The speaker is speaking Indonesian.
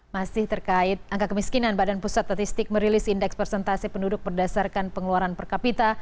masih terkait angka kemiskinan badan pusat statistik merilis indeks presentasi penduduk berdasarkan pengeluaran per kapita